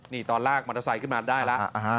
นี่ตอนลากมอเตอร์ไซค์ขึ้นมาได้แล้ว